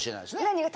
何が？